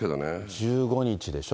１５日でしょ。